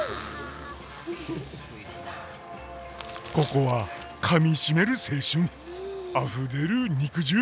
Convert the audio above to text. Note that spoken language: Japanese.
ここはかみしめる青春あふれる肉汁！